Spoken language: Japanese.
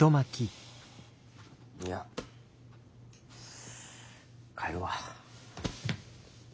いや帰るわ。